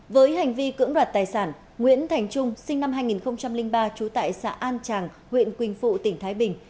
với hành vi cưỡng đoạt tài sản nguyễn thành trung sinh năm hai nghìn ba trú tại xã an tràng huyện quỳnh phụ tỉnh thái bình